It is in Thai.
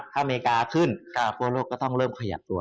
ถ้าอเมริกาขึ้นทั่วโลกก็ต้องเริ่มขยับตัว